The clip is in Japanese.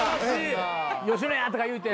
「野家！」とか言うて。